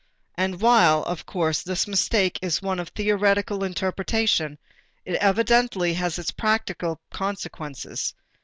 And while, of course, this mistake is one of theoretical interpretation, it evidently has its practical consequences.